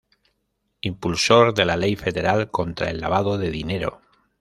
Impulsor de la Ley Federal contra el Lavado de Dinero.